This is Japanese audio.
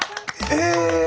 え！